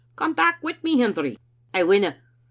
Come back wi' me, Hendry." " I winna.